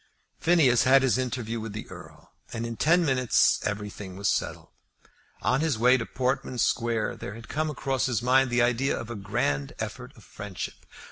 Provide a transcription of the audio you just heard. Phineas had his interview with the Earl, and in ten minutes everything was settled. On his way to Portman Square there had come across his mind the idea of a grand effort of friendship.